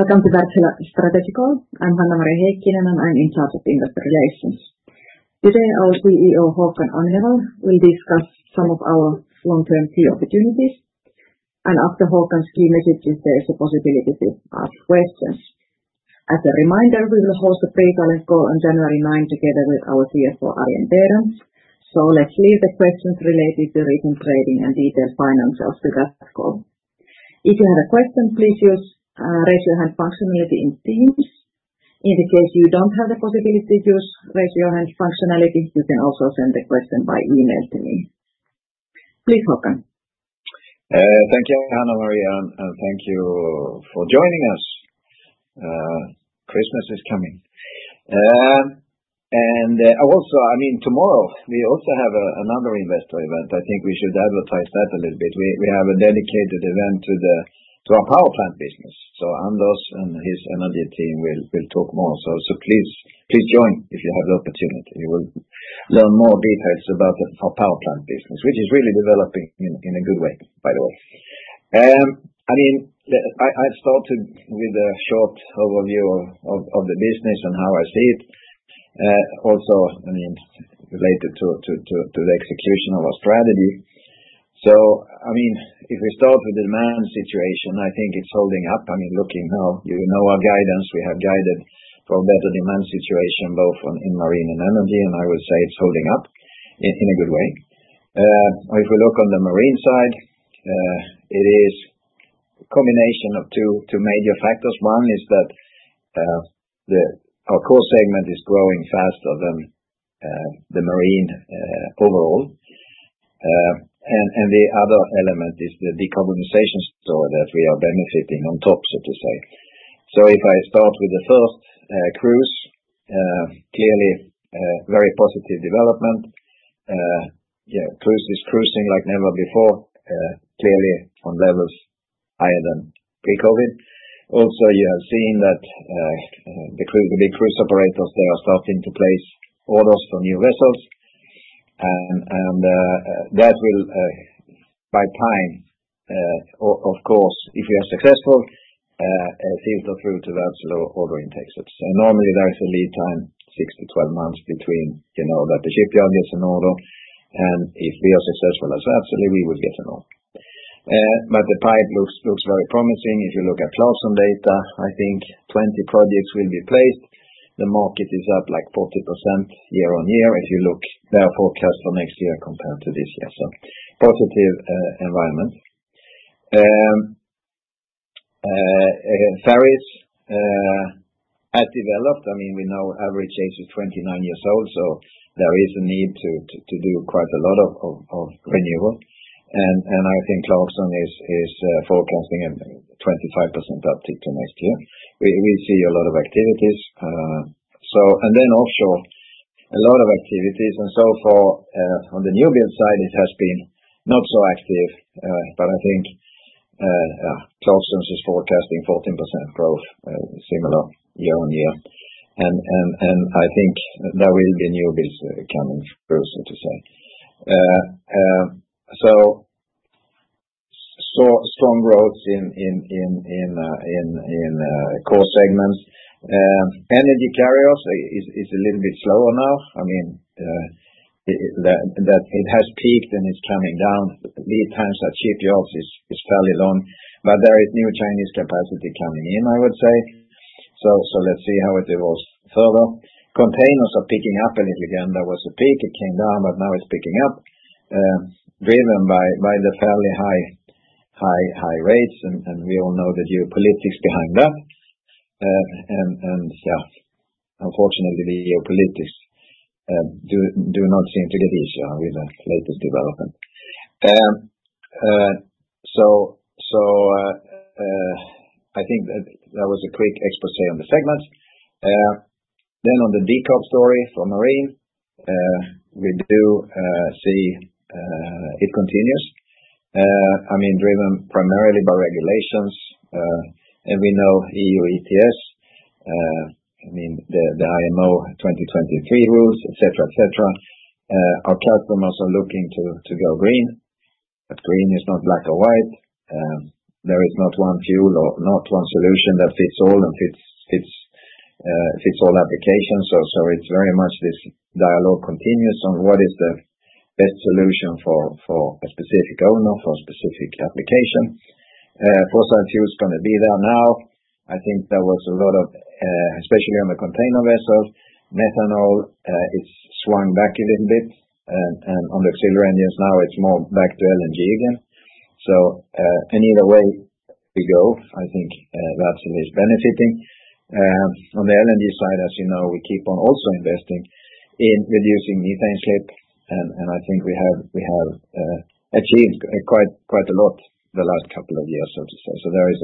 Welcome to Wärtsilä Strategical. I'm Hanna-Maria Heikkinen, and I'm in charge of investor relations. Today, our CEO, Håkan Agnevall, will discuss some of our long-term key opportunities. After Håkan's key messages, there is a possibility to ask questions. As a reminder, we will host a pre-talent call on January 9, together with our CFO, Arjen Berends. Let's leave the questions related to recent trading and detailed financials to that call. If you have a question, please use the raise-your-hand functionality in Teams. In the case you don't have the possibility to use the raise-your-hand functionality, you can also send a question by email to me. Please, Håkan. Thank you, Hanna-Maria, and thank you for joining us. Christmas is coming. Also, I mean, tomorrow we also have another investor event. I think we should advertise that a little bit. We have a dedicated event to our power plant business. Anders and his Energy Team will talk more. Please join if you have the opportunity. You will learn more details about our power plant business, which is really developing in a good way, by the way. I mean, I'll start with a short overview of the business and how I see it. Also, I mean, related to the execution of our strategy. If we start with the demand situation, I think it's holding up. I mean, looking now, you know our guidance. We have guided for a better demand situation, both in marine and energy. I would say it's holding up in a good way. If we look on the marine side, it is a combination of two major factors. One is that our core segment is growing faster than the marine overall. The other element is the decarbonization story that we are benefiting on top, so to say. If I start with the first cruise, clearly, very positive development. Cruises cruising like never before, clearly on levels higher than pre-COVID. Also, you have seen that the big cruise operators, they are starting to place orders for new vessels. That will, by time, of course, if we are successful, filter through to Wärtsilä or order in Texas. Normally, there is a lead time, six tot 12 months, between that the shipyard gets an order. If we are successful as Wärtsilä, we will get an order. The pipe looks very promising. If you look at Clarksons data, I think 20 projects will be placed. The market is up like 40% year on year. If you look, there are forecasts for next year compared to this year. Positive environment. Ferries are developed. I mean, we know average age is 29 years old, so there is a need to do quite a lot of renewal. I think Clarksons is forecasting a 25% uptick to next year. We see a lot of activities. Offshore, a lot of activities. So far, on the new build side, it has been not so active. I think Clarksons is forecasting 14% growth, similar year on year. I think there will be new builds coming through, so to say. Strong growth in core segments. Energy carriers is a little bit slower now. I mean, it has peaked and it's coming down. Lead times at shipyards is fairly long. There is new Chinese capacity coming in, I would say. Let's see how it evolves further. Containers are picking up a little again. There was a peak. It came down, but now it's picking up, driven by the fairly high rates. We all know the geopolitics behind that. Yeah, unfortunately, the geopolitics do not seem to get easier with the latest development. I think that was a quick exposé on the segments. On the decouple story for marine, we do see it continues. I mean, driven primarily by regulations. We know EU ETS, the IMO 2023 rules, etc., etc. Our customers are looking to go green. Green is not black or white. There is not one fuel or not one solution that fits all and fits all applications. It is very much this dialogue continues on what is the best solution for a specific owner, for a specific application. Fossil fuels are going to be there now. I think there was a lot of, especially on the container vessels, methanol is swung back a little bit. On the auxiliary engines, now it is more back to LNG again. In either way we go, I think Wärtsilä is benefiting. On the LNG side, as you know, we keep on also investing in reducing methane slip. I think we have achieved quite a lot the last couple of years, so to say. There is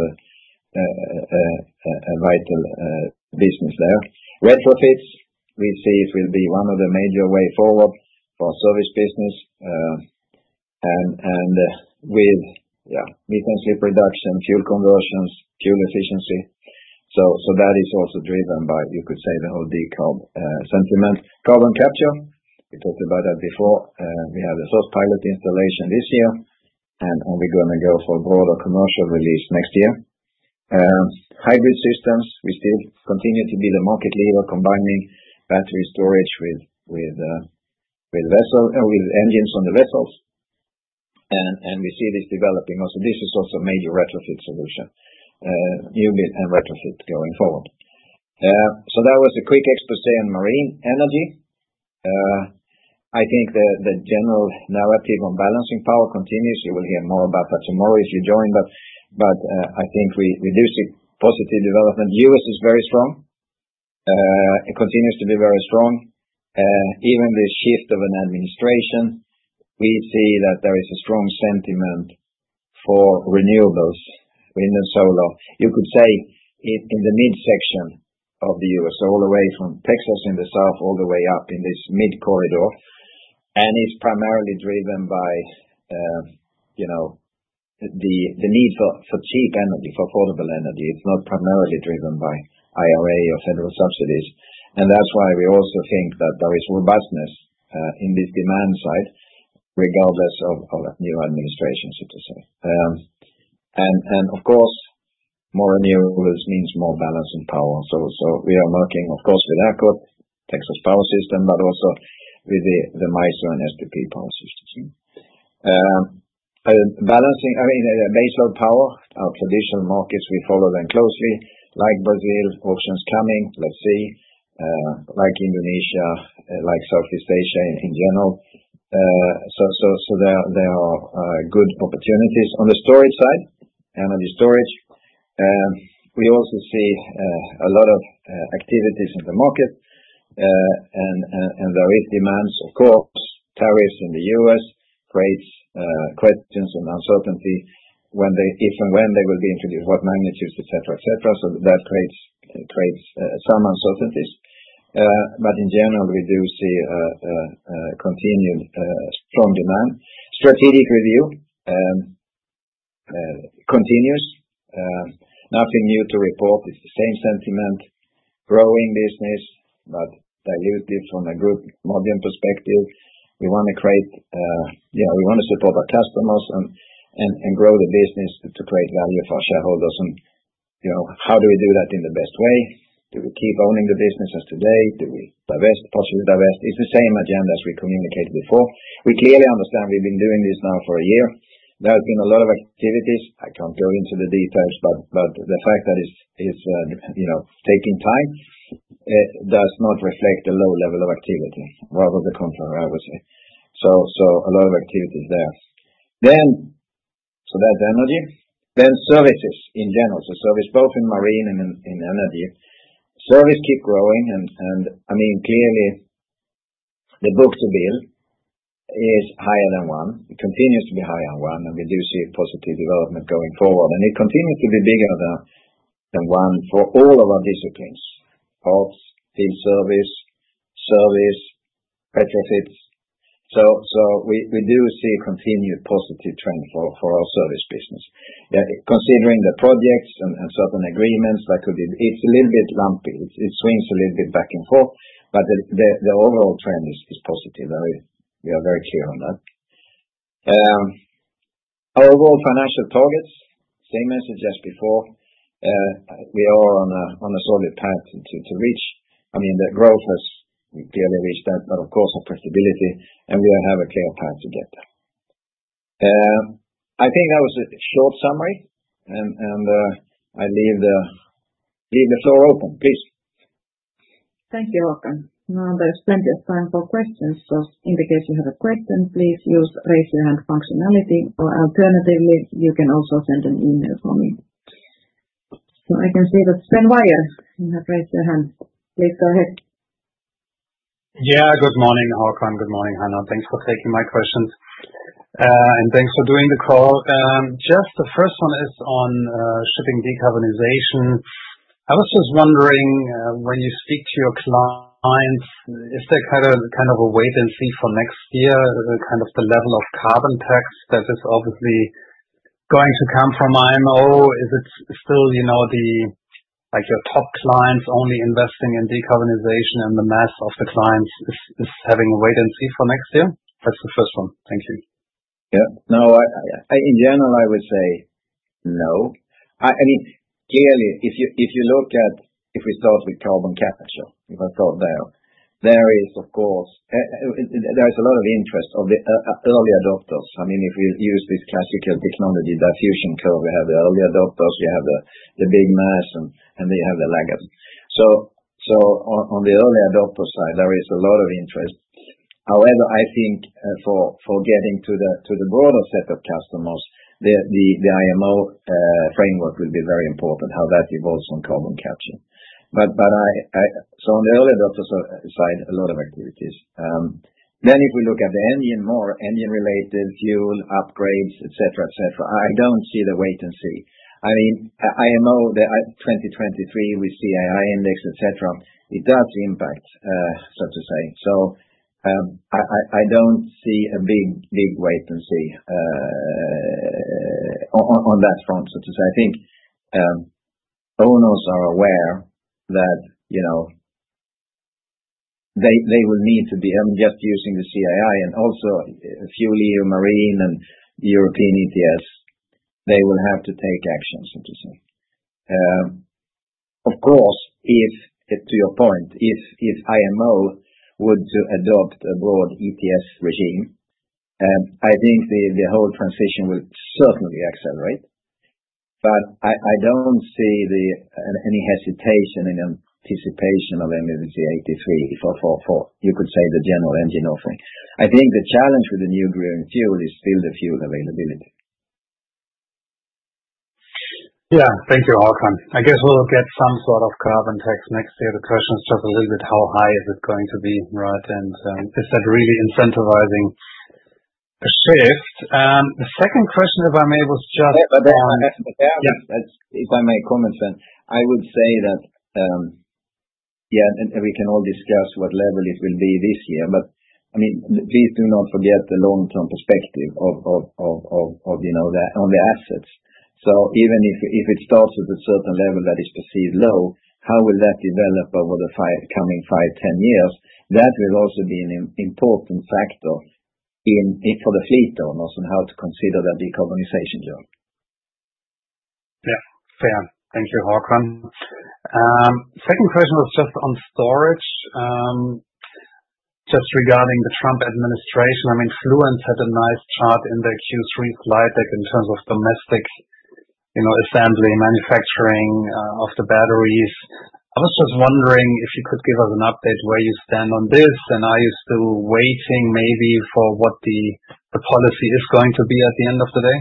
a vital business there. Retrofits, we see it will be one of the major ways forward for our service business. With methane slip reduction, fuel conversions, fuel efficiency, that is also driven by, you could say, the whole decouple sentiment. Carbon capture, we talked about that before. We have a carbon capture system pilot installation this year. We are going to go for broader commercial release next year. Hybrid systems, we still continue to be the market leader combining battery storage with engines on the vessels. We see this developing also. This is also a major retrofit solution, new build and retrofit going forward. That was a quick exposé on marine energy. I think the general narrative on balancing power continues. You will hear more about that tomorrow if you join. I think we do see positive development. The U.S. is very strong. It continues to be very strong. Even the shift of an administration, we see that there is a strong sentiment for renewables in the solar, you could say, in the mid-section of the U.S., all the way from Texas in the south, all the way up in this mid-corridor. It is primarily driven by the need for cheap energy, for affordable energy. It is not primarily driven by IRA or federal subsidies. That is why we also think that there is robustness in this demand side, regardless of new administrations, so to say. Of course, more renewables means more balancing power. We are working, of course, with ERCOT, Texas power system, but also with the MISO and SPP power systems. Balancing, I mean, baseload power, our traditional markets, we follow them closely. Like Brazil, auctions coming, let's see. Like Indonesia, like Southeast Asia in general. There are good opportunities. On the storage side, energy storage, we also see a lot of activities in the market. There is demand, of course, tariffs in the U.S., great questions and uncertainty when they will be introduced, what magnitudes, etc., etc. That creates some uncertainties. In general, we do see continued strong demand. Strategic review continues. Nothing new to report. It is the same sentiment, growing business, but diluted from a good, modern perspective. We want to create, yeah, we want to support our customers and grow the business to create value for our shareholders. How do we do that in the best way? Do we keep owning the business as today? Do we divest, possibly divest? It is the same agenda as we communicated before. We clearly understand we have been doing this now for a year. There has been a lot of activities. I can't go into the details, but the fact that it's taking time does not reflect a low level of activity, rather the contrary, I would say. A lot of activities there. That is energy. Services in general. Service, both in marine and in energy. Service keeps growing. I mean, clearly, the book to bill is higher than one. It continues to be higher than one. We do see positive development going forward. It continues to be bigger than one for all of our disciplines: parts, field service, service, retrofits. We do see a continued positive trend for our service business. Considering the projects and certain agreements, that could be, it's a little bit lumpy. It swings a little bit back and forth. The overall trend is positive. We are very clear on that. Overall financial targets, same message as before. We are on a solid path to reach. I mean, the growth has clearly reached that. Of course, our profitability. We have a clear path to get there. I think that was a short summary. I leave the floor open, please. Thank you, Håkan. Now there is plenty of time for questions. In the case you have a question, please use the raise-your-hand functionality. Alternatively, you can also send an email to me. I can see that Sven Weier, you have raised your hand. Please go ahead. Yeah, good morning, Håkan. Good morning, Hanna. Thanks for taking my questions. Thanks for doing the call. Just the first one is on shipping decarbonization. I was just wondering, when you speak to your clients, is there kind of a wait and see for next year, kind of the level of carbon tax that is obviously going to come from IMO? Is it still your top clients only investing in decarbonization and the mass of the clients is having a wait and see for next year? That's the first one. Thank you. Yeah. No, in general, I would say no. I mean, clearly, if you look at if we start with carbon capture, if I start there, there is, of course, a lot of interest of the early adopters. I mean, if we use this classical technology diffusion curve, we have the early adopters, we have the big mass, and we have the laggards. On the early adopter side, there is a lot of interest. However, I think for getting to the broader set of customers, the IMO framework will be very important, how that evolves on carbon capture. On the early adopter side, a lot of activities. If we look at the engine, more engine-related fuel upgrades, etc., etc., I do not see the wait and see. I mean, IMO 2023 with CII index, etc., it does impact, so to say. I do not see a big wait and see on that front, so to say. I think owners are aware that they will need to be, I mean, just using the CII and also FuelEU Maritime and European ETS, they will have to take action, so to say. Of course, to your point, if IMO were to adopt a broad ETS regime, I think the whole transition will certainly accelerate. I do not see any hesitation in anticipation of MEPC 83 for, you could say, the general engine offering. I think the challenge with the new green fuel is still the fuel availability. Yeah. Thank you, Håkan. I guess we'll get some sort of carbon tax next year. The question is just a little bit, how high is it going to be, right? Is that really incentivizing a shift? The second question, if I may, was just on. Yeah. If I may comment, Sven, I would say that, yeah, we can all discuss what level it will be this year. I mean, please do not forget the long-term perspective of on the assets. Even if it starts at a certain level that is perceived low, how will that develop over the coming five, 10 years? That will also be an important factor for the fleet owners on how to consider that decarbonisation journey. Yeah. Fair. Thank you, Håkan. Second question was just on storage, just regarding the Trump administration. I mean, Fluence had a nice chart in the Q3 slide deck in terms of domestic assembly, manufacturing of the batteries. I was just wondering if you could give us an update where you stand on this. Are you still waiting maybe for what the policy is going to be at the end of the day?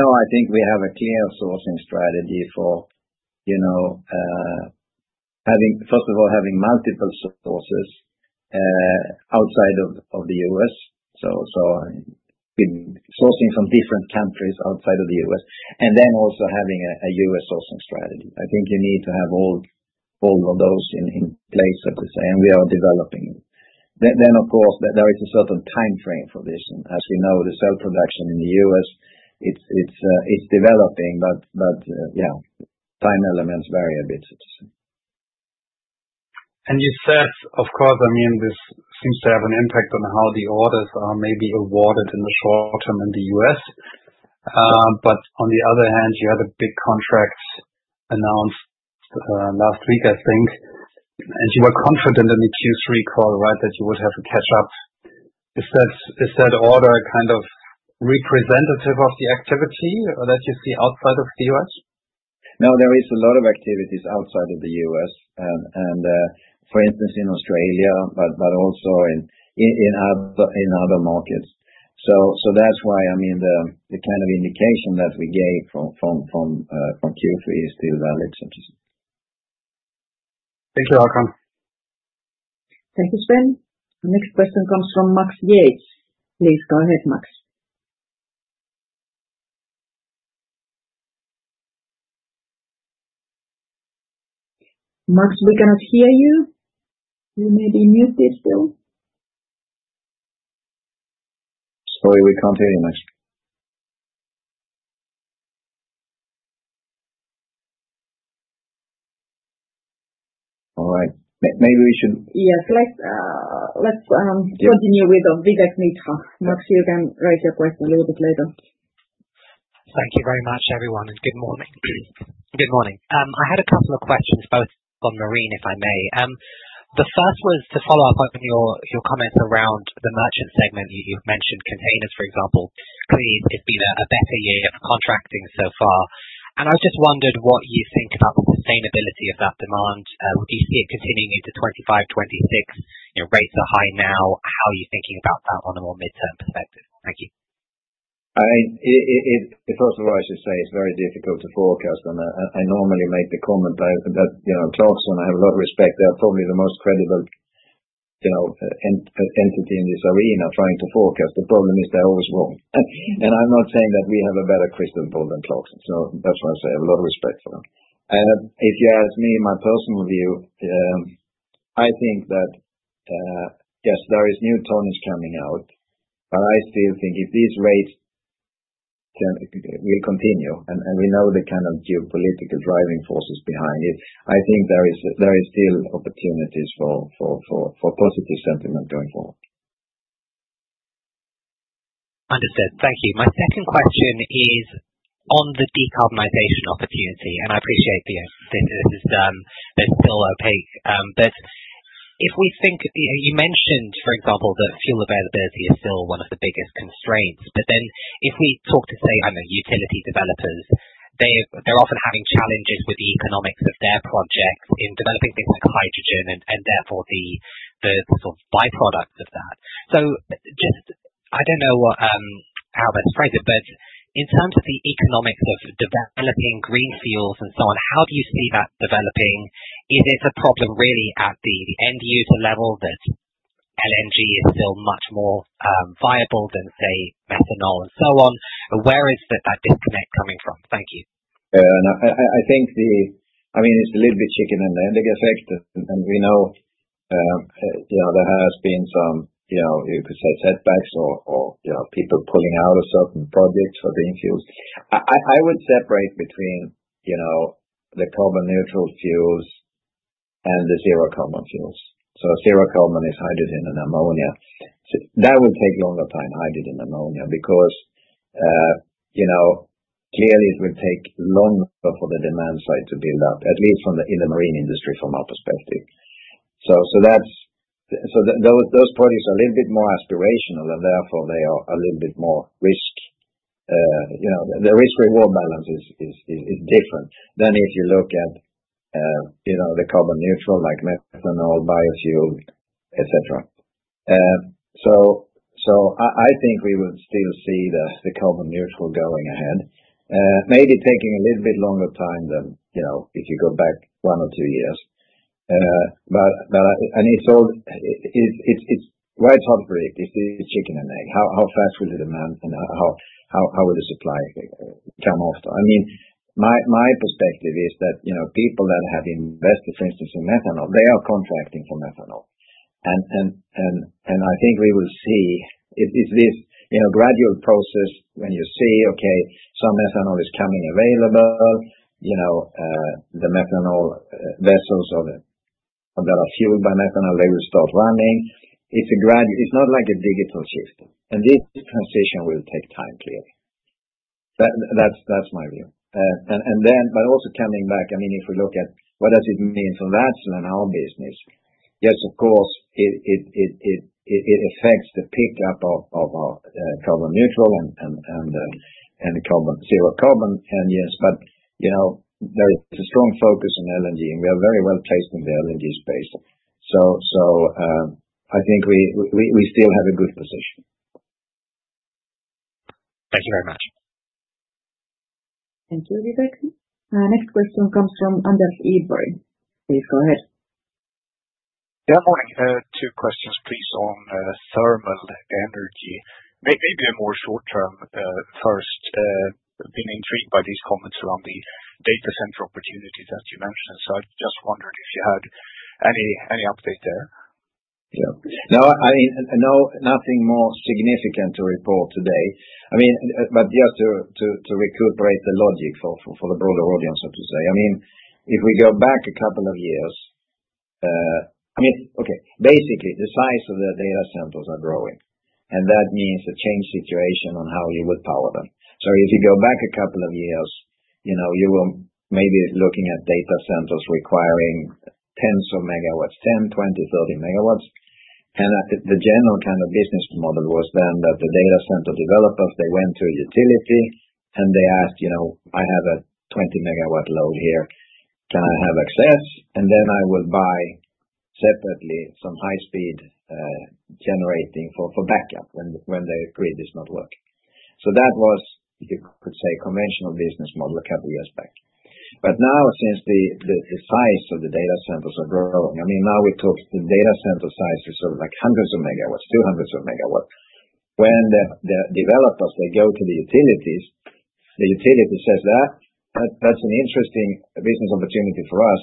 No, I think we have a clear sourcing strategy for having, first of all, having multiple sources outside of the U.S. Sourcing from different countries outside of the U.S., and then also having a U.S. sourcing strategy. I think you need to have all of those in place, so to say. We are developing it. Of course, there is a certain time frame for this. As we know, the cell production in the U.S., it is developing. Yeah, time elements vary a bit, so to say. You said, of course, I mean, this seems to have an impact on how the orders are maybe awarded in the short term in the U.S. On the other hand, you had a big contract announced last week, I think. You were confident in the Q3 call, right, that you would have a catch-up. Is that order kind of representative of the activity that you see outside of the U.S.? No, there is a lot of activities outside of the U.S. For instance, in Australia, but also in other markets. That is why, I mean, the kind of indication that we gave from Q3 is still valid, so to say. Thank you, Håkan. Thank you, Sven. Our next question comes from Max Yates. Please go ahead, Max. Max, we cannot hear you. You may be muted still. Sorry, we can't hear you, Max. All right. Maybe we should. Yes. Let's continue with Vivek Midha. Max, you can raise your question a little bit later. Thank you very much, everyone. Good morning. Good morning. I had a couple of questions, both on marine, if I may. The first was to follow up on your comments around the merchant segment you mentioned, containers, for example. Clearly, it has been a better year for contracting so far. I just wondered what you think about the sustainability of that demand. Do you see it continuing into 2025, 2026? Rates are high now. How are you thinking about that on a more midterm perspective? Thank you. It's also right to say it's very difficult to forecast. I normally make the comment that Clarksons, I have a lot of respect. They're probably the most credible entity in this arena trying to forecast. The problem is they're always wrong. I'm not saying that we have a better crystal ball than Clarksons. That's why I say I have a lot of respect for them. If you ask me my personal view, I think that, yes, there is new tonnage coming out. I still think if these rates will continue, and we know the kind of geopolitical driving forces behind it, I think there are still opportunities for positive sentiment going forward. Understood. Thank you. My second question is on the decarbonisation opportunity. I appreciate this is still opaque. If we think you mentioned, for example, that fuel availability is still one of the biggest constraints. If we talk to, say, I don't know, utility developers, they're often having challenges with the economics of their projects in developing things like hydrogen and therefore the sort of byproducts of that. I don't know how best to phrase it, but in terms of the economics of developing green fuels and so on, how do you see that developing? Is it a problem really at the end user level that LNG is still much more viable than, say, methanol and so on? Where is that disconnect coming from? Thank you. Yeah. I think it's a little bit chicken and the egg effect. We know there has been some, you could say, setbacks or people pulling out of certain projects for being fuels. I would separate between the carbon-neutral fuels and the zero-carbon fuels. Zero-carbon is hydrogen and ammonia. That will take longer time, hydrogen and ammonia, because clearly it will take longer for the demand side to build up, at least in the marine industry from our perspective. Those projects are a little bit more aspirational, and therefore they are a little bit more risk. The risk-reward balance is different than if you look at the carbon-neutral like methanol, biofuel, etc. I think we will still see the carbon-neutral going ahead, maybe taking a little bit longer time than if you go back one or two years. It is quite hard to predict. It is chicken and egg. How fast will the demand and how will the supply come after? I mean, my perspective is that people that have invested, for instance, in methanol, they are contracting for methanol. I think we will see it is this gradual process when you see, okay, some methanol is coming available. The methanol vessels that are fueled by methanol, they will start running. It is not like a digital shift. This transition will take time, clearly. That is my view. Also coming back, I mean, if we look at what does it mean for that and our business? Yes, of course, it affects the pickup of our carbon-neutral and zero-carbon engines. There is a strong focus on LNG, and we are very well placed in the LNG space. I think we still have a good position. Thank you very much. Thank you, Vivek. Next question comes from Anders Lindberg. Please go ahead. Good morning. Two questions, please, on thermal energy. Maybe a more short-term first. I've been intrigued by these comments around the data center opportunities that you mentioned. I just wondered if you had any update there. Yeah. No, I mean, nothing more significant to report today. I mean, just to recuperate the logic for the broader audience, so to say, I mean, if we go back a couple of years, I mean, okay, basically, the size of the data centers are growing. That means a changed situation on how you would power them. If you go back a couple of years, you were maybe looking at data centers requiring tens of megawatts, 10, 20, 30 megawatts. The general kind of business model was then that the data center developers, they went to a utility, and they asked, "I have a 20-MW load here. Can I have access?" I will buy separately some high-speed generating for backup when the grid is not working. That was, you could say, a conventional business model a couple of years back. Now, since the size of the data centers are growing, I mean, now we talk the data center size is sort of like hundreds of megawatts, 200s of megawatts. When the developers, they go to the utilities, the utility says, "That's an interesting business opportunity for us.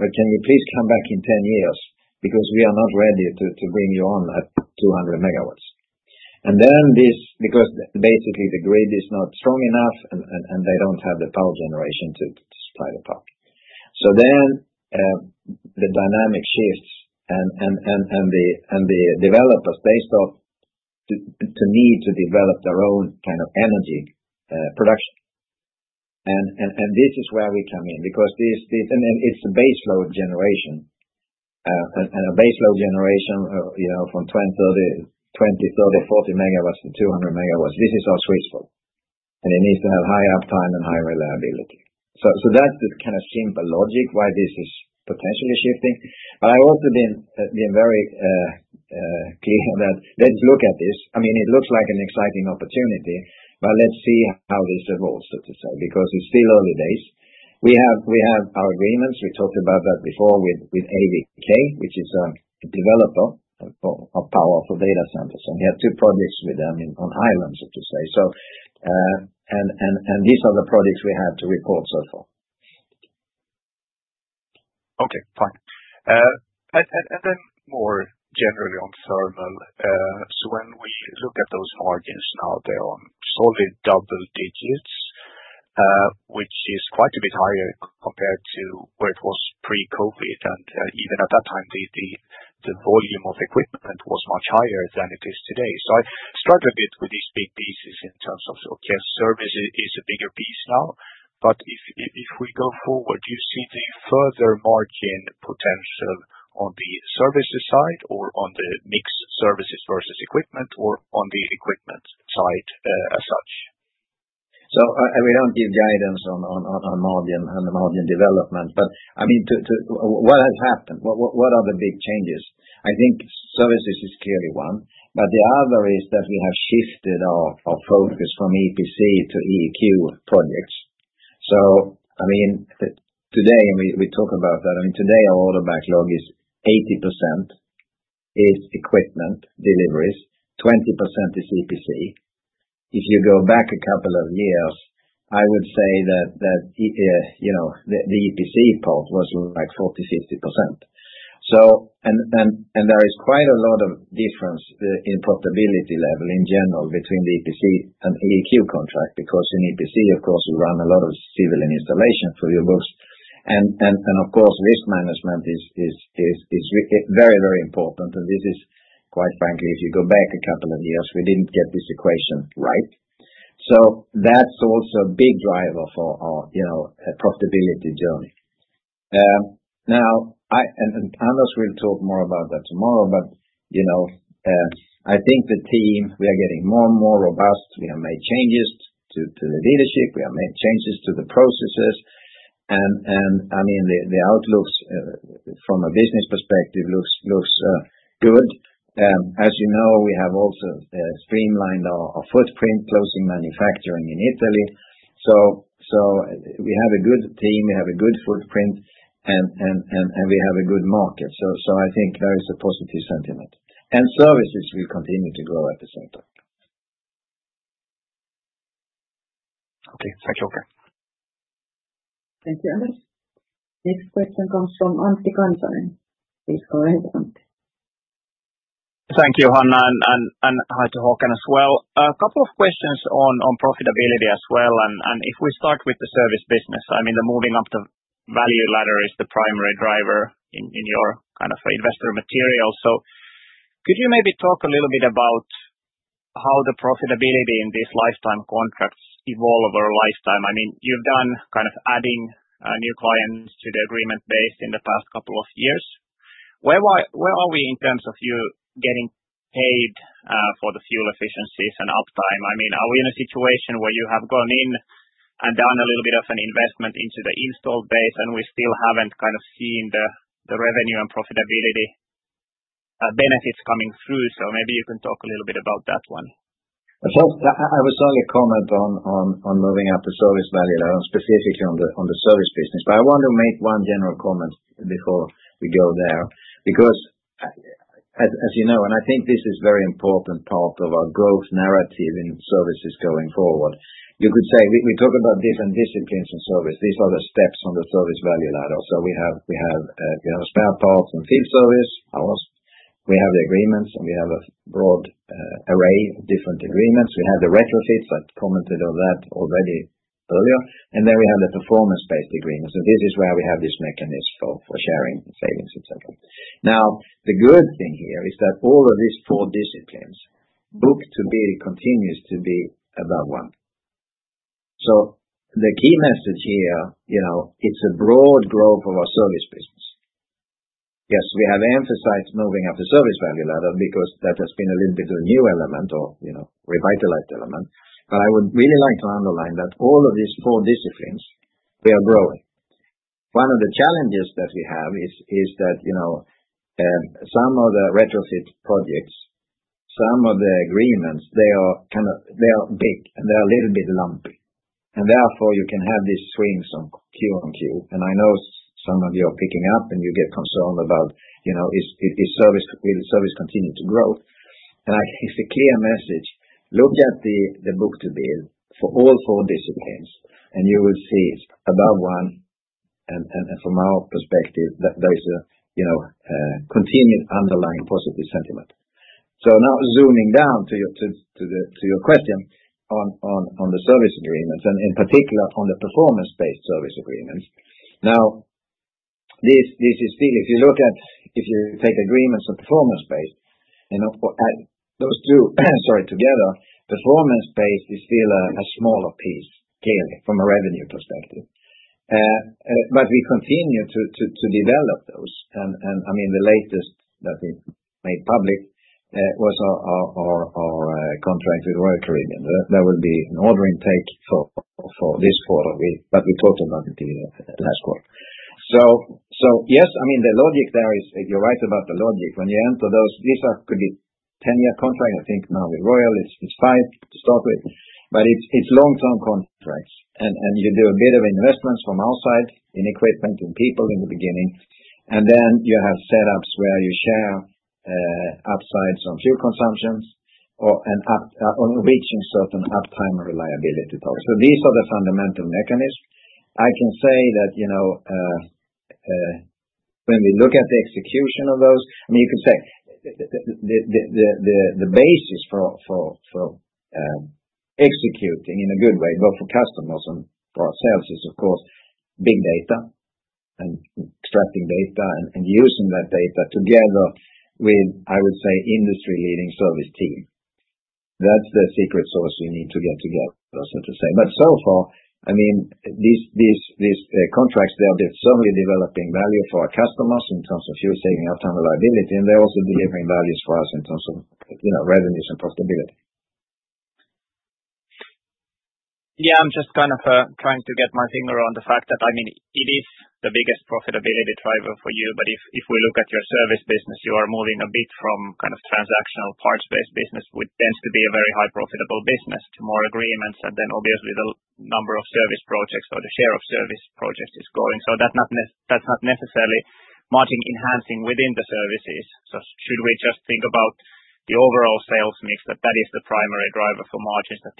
But can you please come back in 10 years because we are not ready to bring you on at 200 megawatts?" This is because basically the grid is not strong enough and they do not have the power generation to supply the power. The dynamic shifts and the developers, they start to need to develop their own kind of energy production. This is where we come in because it is a baseload generation. A baseload generation from 20, 30, 40 MW to 200 MW, this is how switchable. It needs to have high uptime and high reliability. That's the kind of simple logic why this is potentially shifting. I've also been very clear that let's look at this. I mean, it looks like an exciting opportunity, but let's see how this evolves, so to say, because it's still early days. We have our agreements. We talked about that before with AVK, which is a developer of powerful data centers. We have two projects with them on island, so to say. These are the projects we have to report so far. Okay. Fine. More generally on thermal, when we look at those margins now, they're on solid double digits, which is quite a bit higher compared to where it was pre-COVID. Even at that time, the volume of equipment was much higher than it is today. I struggle a bit with these big pieces in terms of, okay, service is a bigger piece now. If we go forward, do you see the further margin potential on the services side or on the mixed services versus equipment or on the equipment side as such? We do not give guidance on margin and the margin development. I mean, what has happened? What are the big changes? I think services is clearly one. The other is that we have shifted our focus from EPC to EEQ projects. I mean, today, and we talk about that, I mean, today, our order backlog is 80% is equipment deliveries, 20% is EPC. If you go back a couple of years, I would say that the EPC part was like 40%-50%. There is quite a lot of difference in profitability level in general between the EPC and EEQ contract because in EPC, of course, you run a lot of civilian installations for your books. Of course, risk management is very, very important. Quite frankly, if you go back a couple of years, we did not get this equation right. That is also a big driver for our profitability journey. Anders will talk more about that tomorrow. I think the team, we are getting more and more robust. We have made changes to the leadership. We have made changes to the processes. I mean, the outlook from a business perspective looks good. As you know, we have also streamlined our footprint, closing manufacturing in Italy. We have a good team. We have a good footprint. We have a good market. I think there is a positive sentiment. Services will continue to grow at the same time. Okay. Thank you, Håkan. Thank you, Anders. Next question comes from Antti Kansanen. Please go ahead, Antti. Thank you, Hanna, and hi to Håkan as well. A couple of questions on profitability as well. If we start with the service business, I mean, the moving up the value ladder is the primary driver in your kind of investor material. Could you maybe talk a little bit about how the profitability in these lifetime contracts evolve over lifetime? I mean, you've done kind of adding new clients to the agreement base in the past couple of years. Where are we in terms of you getting paid for the fuel efficiencies and uptime? I mean, are we in a situation where you have gone in and done a little bit of an investment into the installed base, and we still haven't kind of seen the revenue and profitability benefits coming through? Maybe you can talk a little bit about that one. I was only a comment on moving up the service value ladder, specifically on the service business. I want to make one general comment before we go there because, as you know, I think this is a very important part of our growth narrative in services going forward. You could say we talk about different disciplines in service. These are the steps on the service value ladder. We have spare parts and field service. We have the agreements, and we have a broad array of different agreements. We have the retrofits. I commented on that already earlier. We have the performance-based agreements. This is where we have this mechanism for sharing savings, etc. The good thing here is that all of these four disciplines, book to bill, continues to be above one. The key message here, it's a broad growth of our service business. Yes, we have emphasized moving up the service value ladder because that has been a little bit of a new element or revitalized element. I would really like to underline that all of these four disciplines, we are growing. One of the challenges that we have is that some of the retrofit projects, some of the agreements, they are big, and they are a little bit lumpy. Therefore, you can have these swings on queue on queue. I know some of you are picking up, and you get concerned about, will service continue to grow? It's a clear message. Look at the book to bill for all four disciplines, and you will see it's above one. From our perspective, there is a continued underlying positive sentiment. Now zooming down to your question on the service agreements and in particular on the performance-based service agreements. This is still, if you look at, if you take agreements on performance-based, and those two together, performance-based is still a smaller piece, clearly, from a revenue perspective. We continue to develop those. I mean, the latest that we made public was our contract with Royal Caribbean. There will be an order intake for this quarter, but we talked about it last quarter. Yes, the logic there is, you're right about the logic. When you enter those, these could be 10-year contracts. I think now with Royal, it's five to start with. It is long-term contracts. You do a bit of investments from our side in equipment and people in the beginning. You have setups where you share upsides on fuel consumptions or reaching certain uptime reliability targets. These are the fundamental mechanisms. I can say that when we look at the execution of those, I mean, you could say the basis for executing in a good way, both for customers and for ourselves, is, of course, big data and extracting data and using that data together with, I would say, industry-leading service team. That's the secret sauce we need to get together, so to say. So far, I mean, these contracts, they're certainly developing value for our customers in terms of fuel saving, uptime, reliability. They're also delivering values for us in terms of revenues and profitability. Yeah. I'm just kind of trying to get my finger on the fact that, I mean, it is the biggest profitability driver for you. If we look at your service business, you are moving a bit from kind of transactional parts-based business, which tends to be a very high-profitable business, to more agreements. Obviously, the number of service projects or the share of service projects is growing. That is not necessarily margin enhancing within the services. Should we just think about the overall sales mix, that that is the primary driver for margins, that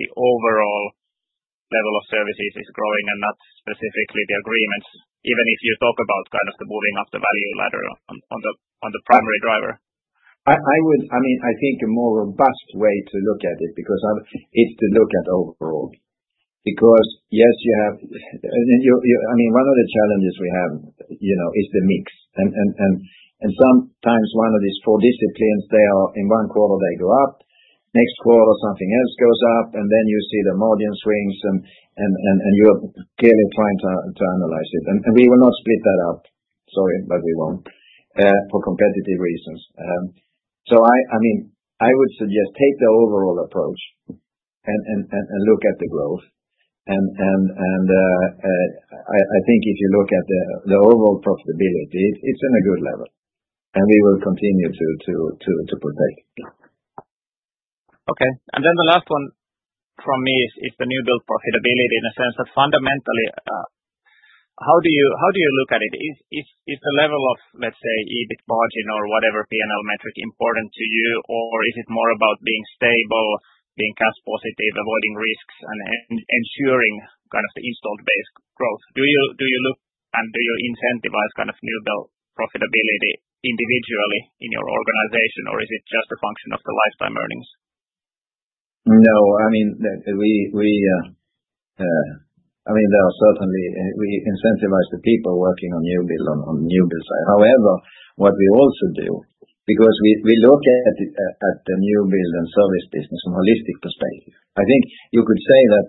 the overall level of services is growing and not specifically the agreements, even if you talk about kind of the moving up the value ladder on the primary driver? I mean, I think a more robust way to look at it because it's to look at overall. Because yes, you have, I mean, one of the challenges we have is the mix. And sometimes one of these four disciplines, they are in one quarter, they go up. Next quarter, something else goes up. Then you see the margin swings. You are clearly trying to analyze it. We will not split that up. Sorry, but we will not for competitive reasons. I would suggest take the overall approach and look at the growth. I think if you look at the overall profitability, it is in a good level. We will continue to protect. Okay. The last one from me is the new build profitability in a sense that fundamentally, how do you look at it? Is the level of, let's say, EBIT margin or whatever P&L metric important to you, or is it more about being stable, being cash positive, avoiding risks, and ensuring kind of the installed-based growth? Do you look and do you incentivize kind of new build profitability individually in your organization, or is it just a function of the lifetime earnings? No. I mean, we incentivize the people working on new build on new build side. However, what we also do, because we look at the new build and service business from a holistic perspective, I think you could say that,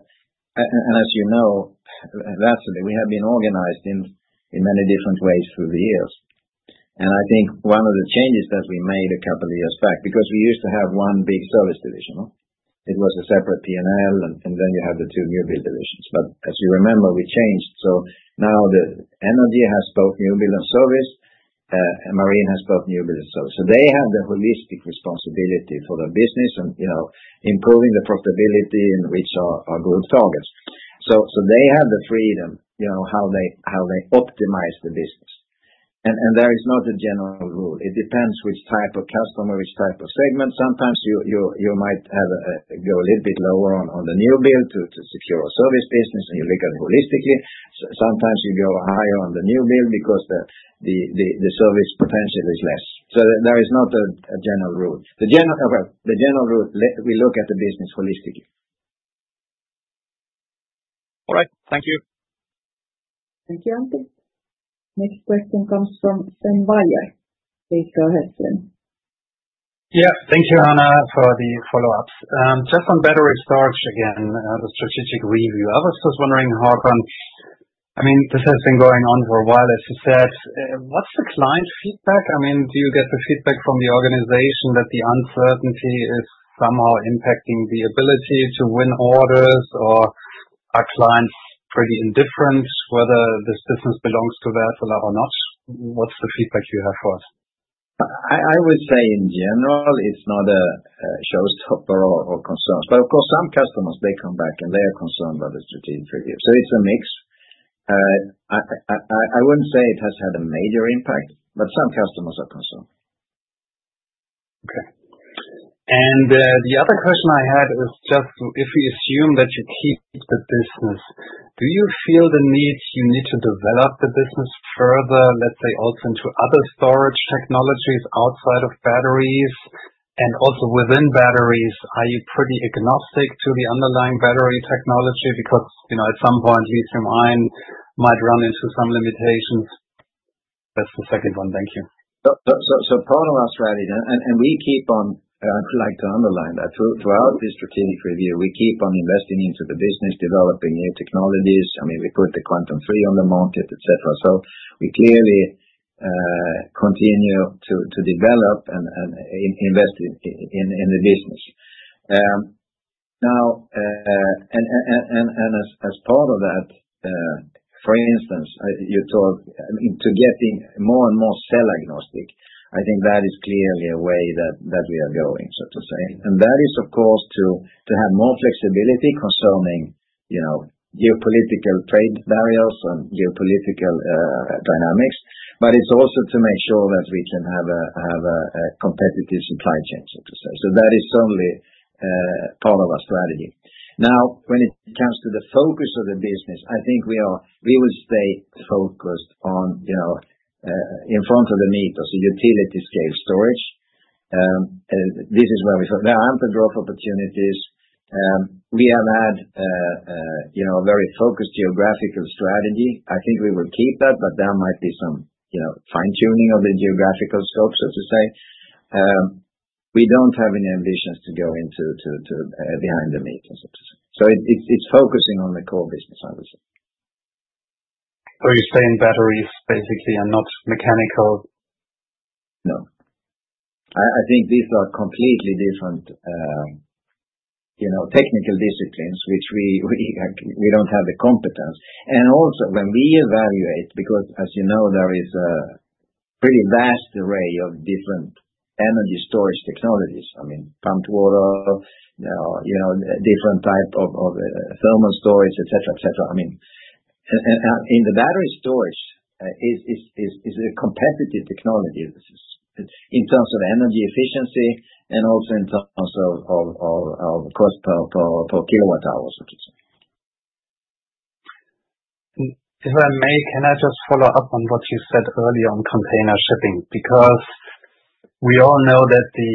and as you know, lastly, we have been organized in many different ways through the years. I think one of the changes that we made a couple of years back, because we used to have one big service division, it was a separate P&L, and then you have the two new build divisions. As you remember, we changed. Now the Energy has both new build and service. Marine has both new build and service. They have the holistic responsibility for the business and improving the profitability and reach our growth targets. They have the freedom how they optimize the business. There is not a general rule. It depends which type of customer, which type of segment. Sometimes you might go a little bit lower on the new build to secure a service business, and you look at it holistically. Sometimes you go higher on the new build because the service potential is less. There is not a general rule. The general rule, we look at the business holistically. All right. Thank you. Thank you, Antti. Next question comes from Sven Weier. Please go ahead, Sven. Yeah. Thank you, Hanna, for the follow-ups. Just on battery storage again, the strategic review. I was just wondering, Håkan, I mean, this has been going on for a while, as you said. What's the client feedback? I mean, do you get the feedback from the organization that the uncertainty is somehow impacting the ability to win orders, or are clients pretty indifferent whether this business belongs to Wärtsilä or not? What's the feedback you have for us? I would say in general, it's not a showstopper or concerns. Of course, some customers, they come back, and they are concerned about the strategic review. So it's a mix. I wouldn't say it has had a major impact, but some customers are concerned. Okay. The other question I had is just if we assume that you keep the business, do you feel the need you need to develop the business further, let's say, also into other storage technologies outside of batteries? Also, within batteries, are you pretty agnostic to the underlying battery technology? Because at some point, lithium-ion might run into some limitations. That is the second one. Thank you. Part of our strategy, and I would like to underline that, throughout this strategic review, we keep on investing into the business, developing new technologies. I mean, we put the Quantum3 on the market, etc. We clearly continue to develop and invest in the business. Now, as part of that, for instance, you talk to getting more and more cell agnostic. I think that is clearly a way that we are going, so to say. That is, of course, to have more flexibility concerning geopolitical trade barriers and geopolitical dynamics. It is also to make sure that we can have a competitive supply chain, so to say. That is certainly part of our strategy. Now, when it comes to the focus of the business, I think we would stay focused on, in front of the meters, the utility-scale storage. This is where we focus. There are ample growth opportunities. We have had a very focused geographical strategy. I think we will keep that, but there might be some fine-tuning of the geographical scope, so to say. We do not have any ambitions to go behind the meters, so to say. It is focusing on the core business, I would say. You're saying batteries basically are not mechanical? No. I think these are completely different technical disciplines, which we do not have the competence. Also, when we evaluate, because as you know, there is a pretty vast array of different energy storage technologies, I mean, pumped water, different type of thermal storage, etc., etc. I mean, in the battery storage, it is a competitive technology in terms of energy efficiency and also in terms of cost per kilowatt-hour, so to say. If I may, can I just follow up on what you said earlier on container shipping? Because we all know that the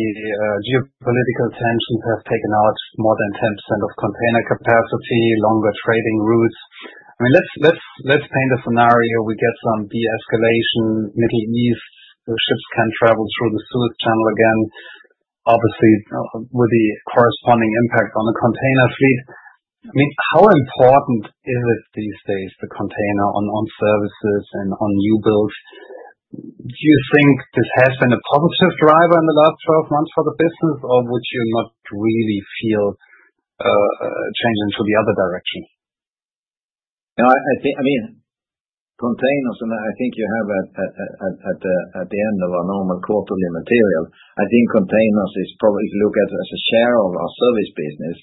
geopolitical tensions have taken out more than 10% of container capacity, longer trading routes. I mean, let's paint a scenario. We get some de-escalation. Middle East ships can travel through the Suez Canal again, obviously with the corresponding impact on the container fleet. I mean, how important is it these days, the container on services and on new builds? Do you think this has been a positive driver in the last 12 months for the business, or would you not really feel a change into the other direction? I mean, containers, and I think you have at the end of our normal quarterly material, I think containers is probably if you look at it as a share of our service business,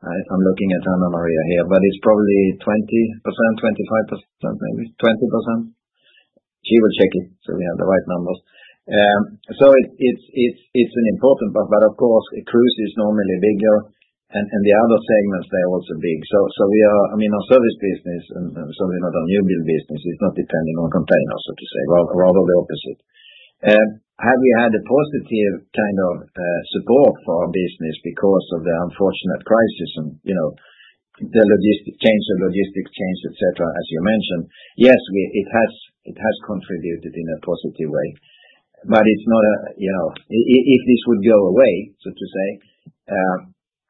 I'm looking at Hanna-Maria here, but it's probably 20%, 25%, maybe 20%. She will check it so we have the right numbers. It is an important part. Of course, cruise is normally bigger, and the other segments, they're also big. I mean, our service business, and certainly not our new build business, is not dependent on containers, so to say, rather the opposite. Have we had a positive kind of support for our business because of the unfortunate crisis and the change of logistics change, etc., as you mentioned? Yes, it has contributed in a positive way. It is not as if this would go away, so to say,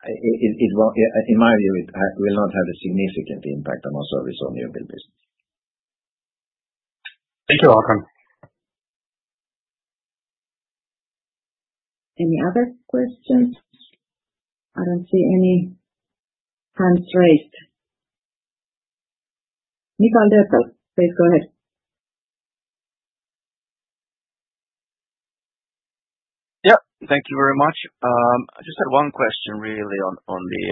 in my view, it will not have a significant impact on our service or new build business. Thank you, Håkan. Any other questions? I don't see any hands raised. Mikael Doepel, please go ahead. Yeah. Thank you very much. I just had one question really on the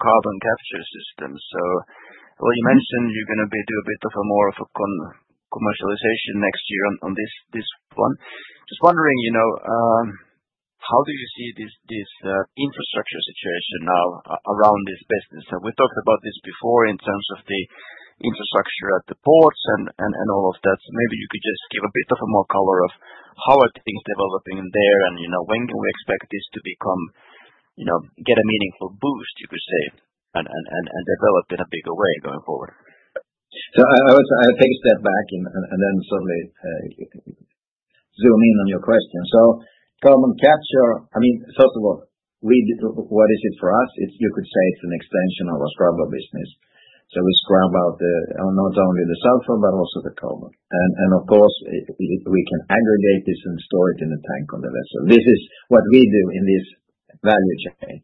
carbon capture system. You mentioned you're going to do a bit more of a commercialization next year on this one. Just wondering, how do you see this infrastructure situation now around this business? We talked about this before in terms of the infrastructure at the ports and all of that. Maybe you could just give a bit more color of how are things developing there and when can we expect this to become, get a meaningful boost, you could say, and develop in a bigger way going forward? I would say I'll take a step back and then certainly zoom in on your question. Carbon capture, I mean, first of all, what is it for us? You could say it's an extension of our scrubber business. We scrub out not only the sulfur, but also the carbon. Of course, we can aggregate this and store it in a tank on the vessel. This is what we do in this value chain.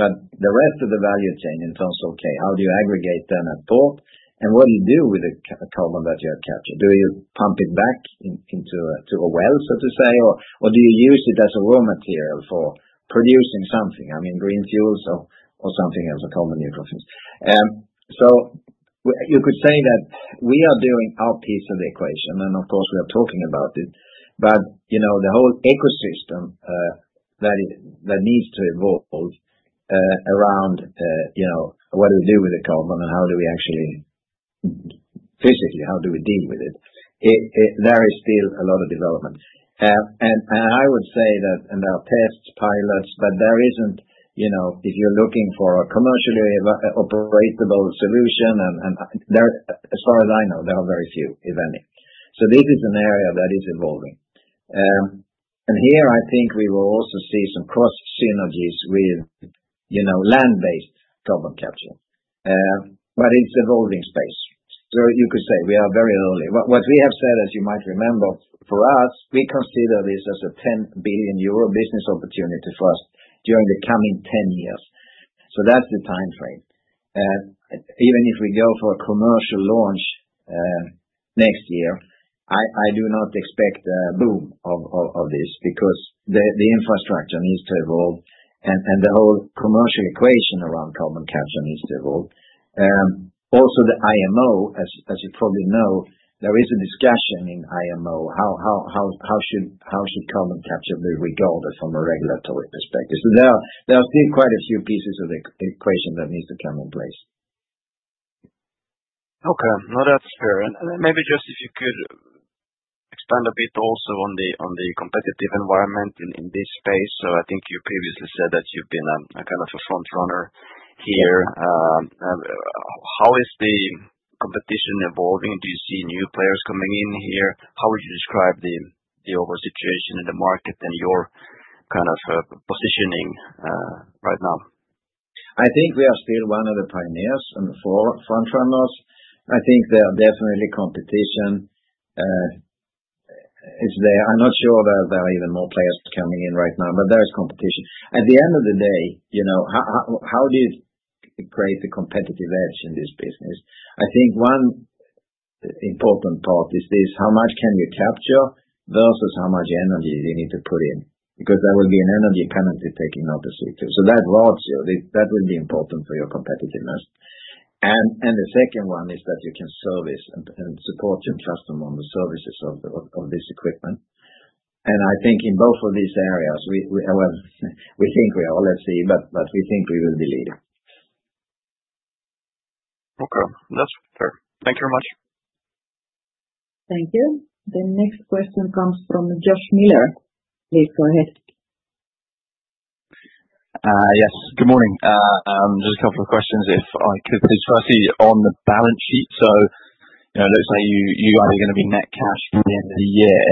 The rest of the value chain in terms of, okay, how do you aggregate that at port? What do you do with the carbon that you have captured? Do you pump it back into a well, so to say, or do you use it as a raw material for producing something, I mean, green fuels or something else, a carbon neutral fuel? You could say that we are doing our piece of the equation, and of course, we are talking about it. The whole ecosystem that needs to evolve around what do we do with the carbon and how do we actually physically, how do we deal with it, there is still a lot of development. I would say that, and there are tests, pilots, but there is not, if you are looking for a commercially operatable solution, and as far as I know, there are very few, if any. This is an area that is evolving. Here, I think we will also see some cross synergies with land-based carbon capture. It is an evolving space. You could say we are very early. What we have said, as you might remember, for us, we consider this as a 10 billion euro business opportunity for us during the coming 10 years. That is the time frame. Even if we go for a commercial launch next year, I do not expect a boom of this because the infrastructure needs to evolve, and the whole commercial equation around carbon capture needs to evolve. Also, the IMO, as you probably know, there is a discussion in IMO, how should carbon capture be regarded from a regulatory perspective. There are still quite a few pieces of the equation that need to come in place. Okay. No, that's fair. Maybe just if you could expand a bit also on the competitive environment in this space. I think you previously said that you've been kind of a frontrunner here. How is the competition evolving? Do you see new players coming in here? How would you describe the overall situation in the market and your kind of positioning right now? I think we are still one of the pioneers and the frontrunners. I think there are definitely competition. It's there. I'm not sure that there are even more players coming in right now, but there is competition. At the end of the day, how do you create the competitive edge in this business? I think one important part is this, how much can you capture versus how much energy do you need to put in? Because there will be an energy penalty taken out of CO2. That erodes you. That will be important for your competitiveness. The second one is that you can service and support your customer on the services of this equipment. I think in both of these areas, we think we are, or let's see, but we think we will be leading. Okay. That's fair. Thank you very much. Thank you. The next question comes from Josh Miller. Please go ahead. Yes. Good morning. Just a couple of questions, if I could. I see on the balance sheet, it looks like you guys are going to be net cash at the end of the year.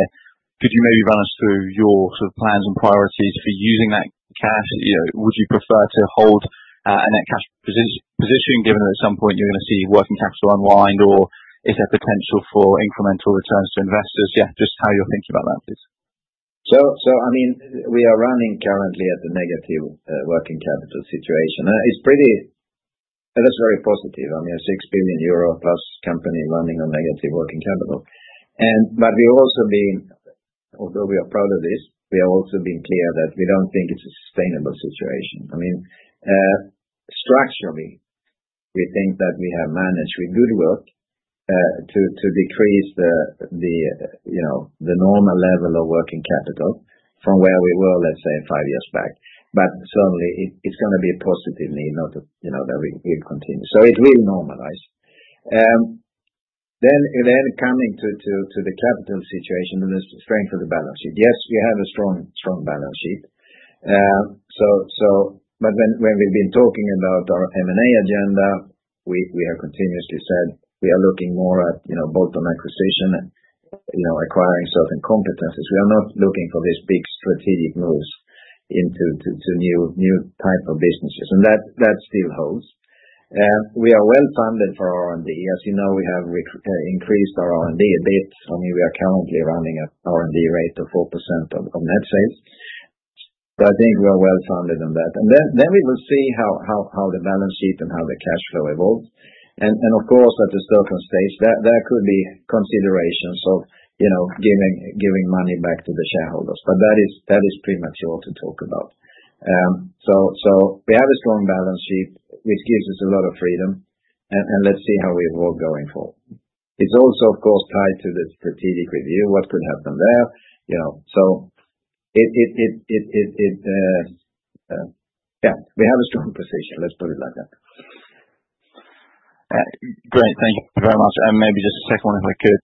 Could you maybe run us through your sort of plans and priorities for using that cash? Would you prefer to hold a net cash position given that at some point you're going to see working capital unwind, or is there potential for incremental returns to investors? Yeah, just how you're thinking about that, please. I mean, we are running currently at a negative working capital situation. That is very positive. I mean, a 6 billion euro plus company running on negative working capital. We have also been, although we are proud of this, clear that we do not think it is a sustainable situation. I mean, structurally, we think that we have managed with good work to decrease the normal level of working capital from where we were, let us say, five years back. Certainly, it is going to be a positive need that we continue. It will normalize. Coming to the capital situation, the strength of the balance sheet. Yes, we have a strong balance sheet. When we have been talking about our M&A agenda, we have continuously said we are looking more at bolt-on acquisition and acquiring certain competencies. We are not looking for these big strategic moves into new types of businesses. That still holds. We are well-funded for R&D. As you know, we have increased our R&D a bit. I mean, we are currently running an R&D rate of 4% of net sales. I think we are well-funded on that. We will see how the balance sheet and how the cash flow evolves. Of course, at a certain stage, there could be considerations of giving money back to the shareholders. That is premature to talk about. We have a strong balance sheet, which gives us a lot of freedom, and let's see how we evolve going forward. It is also, of course, tied to the strategic review, what could happen there. We have a strong position. Let's put it like that. Great. Thank you very much. Maybe just a second if I could.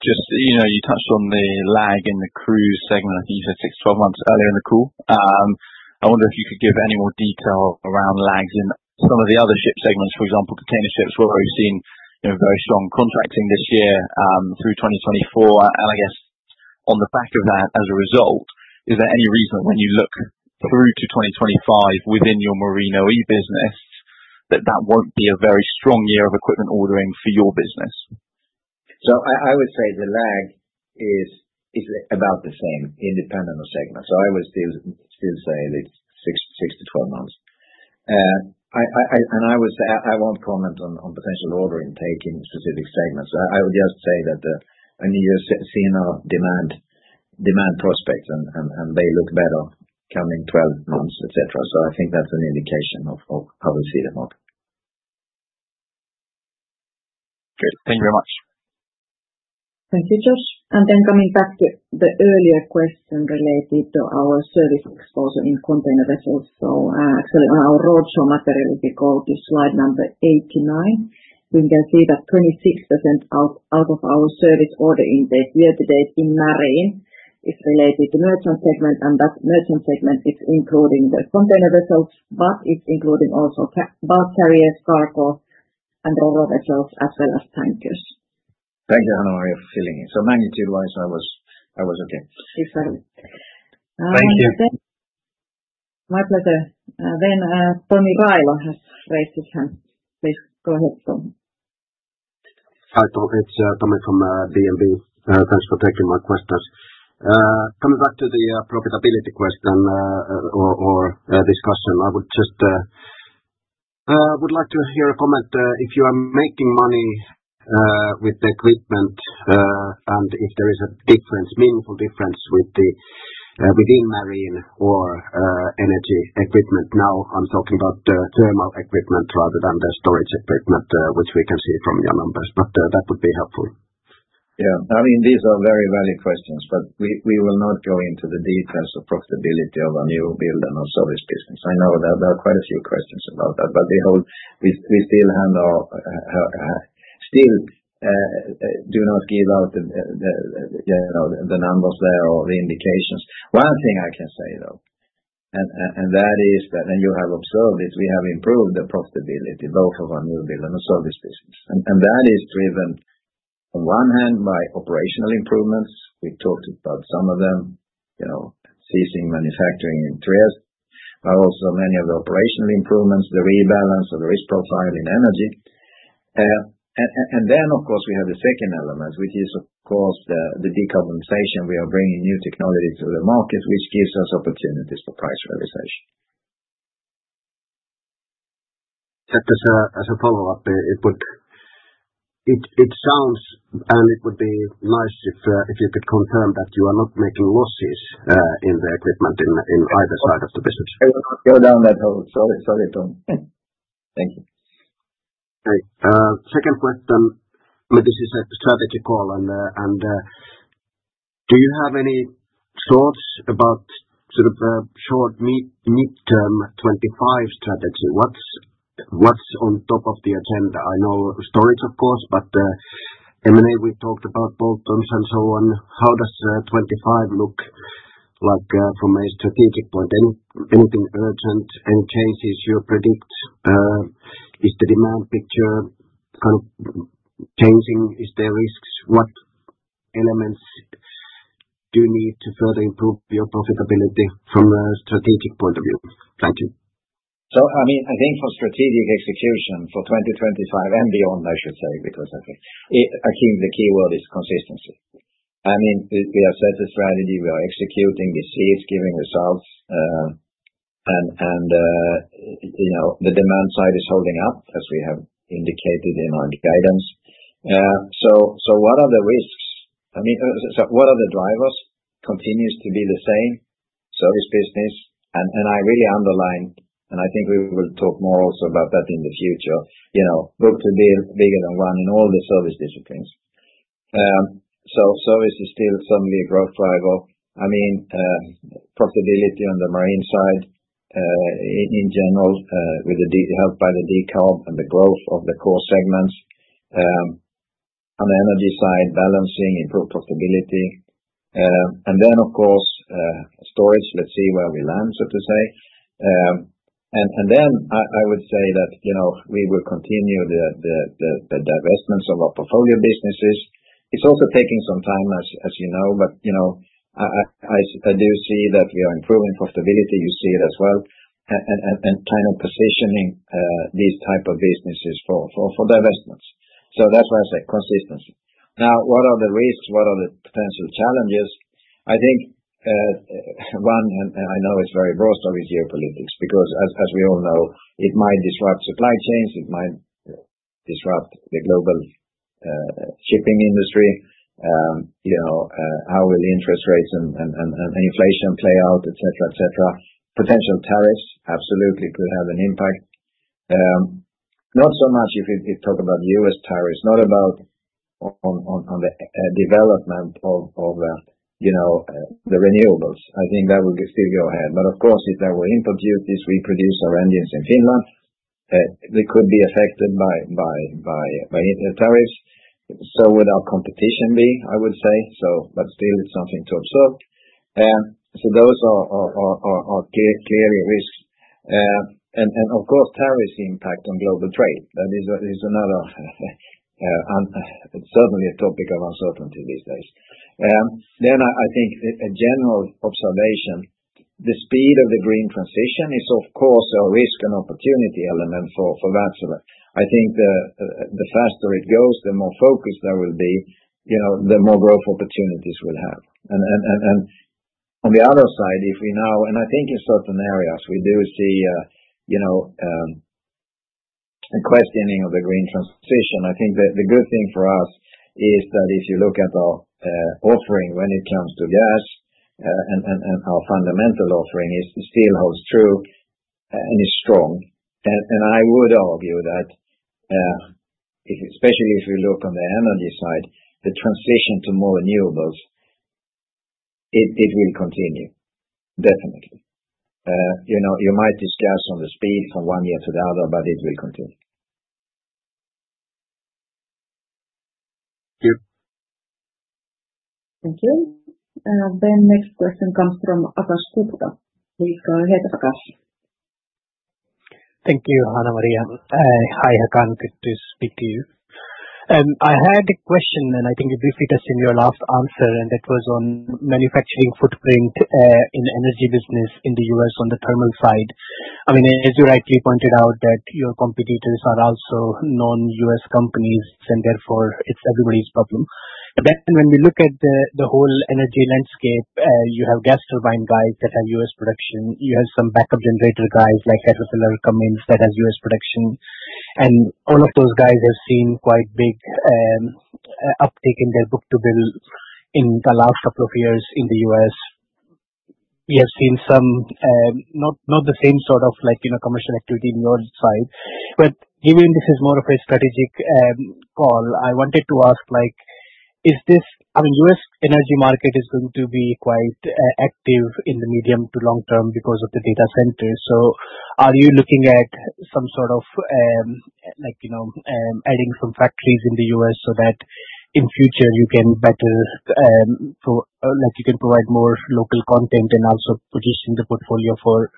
You touched on the lag in the cruise segment. I think you said six, 12 months earlier in the call. I wonder if you could give any more detail around lags in some of the other ship segments, for example, container ships, where we've seen very strong contracting this year through 2024. I guess on the back of that, as a result, is there any reason when you look through to 2025 within your marine OE business that that will not be a very strong year of equipment ordering for your business? I would say the lag is about the same independent of segments. I would still say it's six to 12 months. I won't comment on potential ordering taking specific segments. I would just say that, I mean, you're seeing our demand prospects, and they look better coming 12 months, etc. I think that's an indication of how we see them up. Great. Thank you very much. Thank you, Josh. Coming back to the earlier question related to our service exposure in container vessels, actually, on our roadshow material, we called this slide number 89. You can see that 26% out of our service order intake year-to-date in marine is related to the merchant segment, and that merchant segment is including the container vessels, but it is also including bulk carriers, cargo, and roro vessels, as well as tankers. Thank you, Hanna-Maria, for filling in. Magnitude-wise, I was okay. Excellent. Thank you. My pleasure. Tommy Ryle has raised his hand. Please go ahead, Tommy. Hi, Tommy. It's Tommy from BNP. Thanks for taking my questions. Coming back to the profitability question or discussion, I would like to hear a comment. If you are making money with the equipment and if there is a meaningful difference within marine or energy equipment, now I'm talking about the thermal equipment rather than the storage equipment, which we can see from your numbers. That would be helpful. Yeah. I mean, these are very valid questions, but we will not go into the details of profitability of a new build and of service business. I know that there are quite a few questions about that, but we still do not give out the numbers there or the indications. One thing I can say, though, and that is that, and you have observed it, we have improved the profitability both of our new build and the service business. That is driven on one hand by operational improvements. We talked about some of them, ceasing manufacturing in Trieste, but also many of the operational improvements, the rebalance of the risk profile in energy. Of course, we have the second element, which is, of course, the decarbonization. We are bringing new technology to the market, which gives us opportunities for price realization. Just as a follow-up, it sounds and it would be nice if you could confirm that you are not making losses in the equipment in either side of the business. We will not go down that road. Sorry, Tom. Thank you. Okay. Second question. I mean, this is a strategy call. Do you have any thoughts about sort of a short mid-term 2025 strategy? What's on top of the agenda? I know storage, of course, but M&A, we talked about bolt-ons and so on. How does 2025 look like from a strategic point? Anything urgent? Any changes you predict? Is the demand picture kind of changing? Is there risks? What elements do you need to further improve your profitability from a strategic point of view? Thank you. I think for strategic execution for 2025 and beyond, I should say, because I think the key word is consistency. We have set the strategy. We are executing. We see it's giving results. The demand side is holding up, as we have indicated in our guidance. What are the risks? What are the drivers? Continues to be the same service business. I really underline, and I think we will talk more also about that in the future, book to bill bigger than one in all the service disciplines. Service is still certainly a growth driver. Profitability on the marine side in general, helped by the decarb and the growth of the core segments. On the energy side, balancing, improved profitability. Of course, storage, let's see where we land, so to say. I would say that we will continue the divestments of our portfolio businesses. It's also taking some time, as you know, but I do see that we are improving profitability. You see it as well. Kind of positioning these types of businesses for divestments. That's why I say consistency. Now, what are the risks? What are the potential challenges? I think one, and I know it's very broad, is geopolitics because, as we all know, it might disrupt supply chains. It might disrupt the global shipping industry. How will interest rates and inflation play out, etc., etc.? Potential tariffs absolutely could have an impact. Not so much if we talk about U.S. tariffs, not about on the development of the renewables. I think that will still go ahead. Of course, if there were import duties, we produce our engines in Finland. We could be affected by tariffs. Our competition would be, I would say. Still, it is something to absorb. Those are clearly risks. Of course, tariffs impact global trade. That is certainly a topic of uncertainty these days. I think a general observation, the speed of the green transition is a risk and opportunity element for that. I think the faster it goes, the more focused there will be, the more growth opportunities we will have. On the other side, if we now, and I think in certain areas, we do see a questioning of the green transition. I think the good thing for us is that if you look at our offering when it comes to gas, our fundamental offering still holds true and is strong. I would argue that, especially if you look on the energy side, the transition to more renewables, it will continue, definitely. You might discuss on the speed from one year to the other, but it will continue. Thank you. Thank you. The next question comes from Akash Gupta. Please go ahead, Akash. Thank you, Hanna-Maria. Hi, Håkan. Good to speak to you. I had a question, and I think you referenced this in your last answer, and that was on manufacturing footprint in energy business in the U.S. on the thermal side. I mean, as you rightly pointed out, that your competitors are also non-U.S. companies, and therefore, it's everybody's problem. I mean, when we look at the whole energy landscape, you have gas turbine guys that have U.S. production. You have some backup generator guys like Cummins that has U.S. production. All of those guys have seen quite big uptake in their book to bill in the last couple of years in the U.S. We have seen some, not the same sort of commercial activity on your side. Given this is more of a strategic call, I wanted to ask, I mean, U.S. energy market is going to be quite active in the medium to long term because of the data centers. Are you looking at some sort of adding some factories in the U.S. so that in future, you can better provide more local content and also position the portfolio for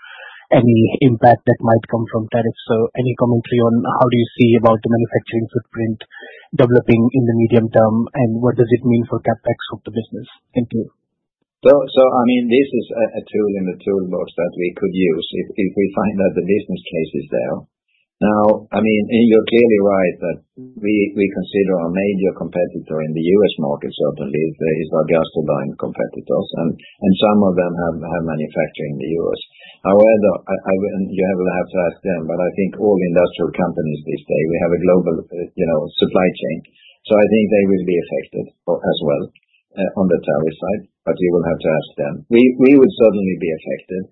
any impact that might come from tariffs? Any commentary on how do you see about the manufacturing footprint developing in the medium term, and what does it mean for CapEx of the business? Thank you. I mean, this is a tool in the toolbox that we could use if we find that the business case is there. Now, I mean, you're clearly right that we consider our major competitor in the U.S. market, certainly, is our gas turbine competitors. Some of them have manufacturing in the U.S. However, you will have to ask them, but I think all industrial companies these days, we have a global supply chain. I think they will be affected as well on the tariff side, but you will have to ask them. We would certainly be affected.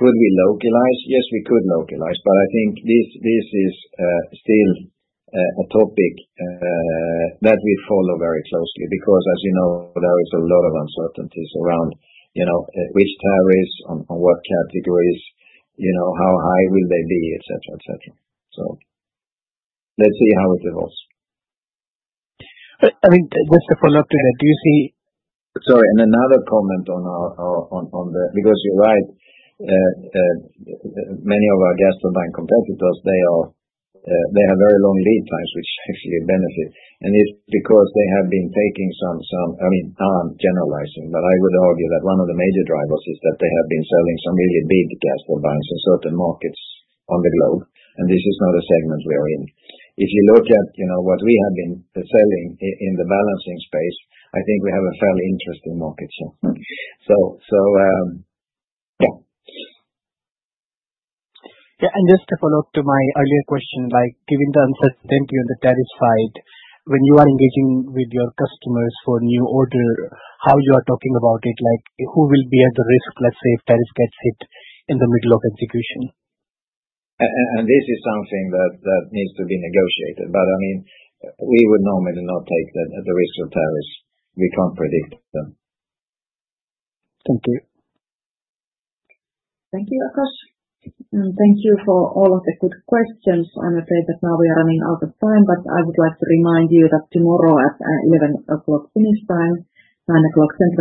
Could we localize? Yes, we could localize. I think this is still a topic that we follow very closely because, as you know, there is a lot of uncertainties around which tariffs, on what categories, how high will they be, etc., etc. Let's see how it evolves. I mean, just to follow up to that, do you see? Sorry, and another comment on the because you're right, many of our gas turbine competitors, they have very long lead times, which actually benefit. It's because they have been taking some, I mean, I'm generalizing, but I would argue that one of the major drivers is that they have been selling some really big gas turbines in certain markets on the globe. This is not a segment we are in. If you look at what we have been selling in the balancing space, I think we have a fairly interesting market, so yeah. Yeah. Just to follow up to my earlier question, given the uncertainty on the tariff side, when you are engaging with your customers for new order, how you are talking about it, who will be at the risk, let's say, if tariff gets hit in the middle of execution? This is something that needs to be negotiated. I mean, we would normally not take the risk of tariffs. We can't predict them. Thank you. Thank you, Akash. Thank you for all of the good questions. I'm afraid that now we are running out of time, but I would like to remind you that tomorrow at 11:00 A.M. Finnish time, 9:00 A.M. Central.